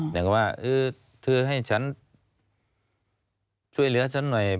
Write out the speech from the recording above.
อย่างว่าเธอให้ฉันช่วยเหลือฉันหน่อย